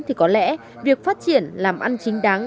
thì có lẽ việc phát triển làm ăn chính đáng